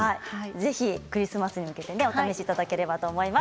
ぜひクリスマスに向けてお試しいただければと思います。